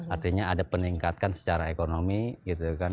artinya ada peningkatan secara ekonomi gitu kan